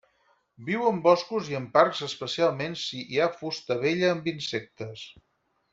Viu en boscos i en parcs especialment si hi ha fusta vella amb insectes.